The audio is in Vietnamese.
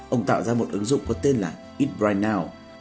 ông tạo ra một ứng dụng có tên là eat right now